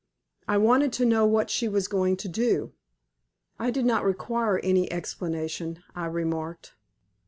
I wanted to know what she was going to do." "I did not require any explanation," I remarked.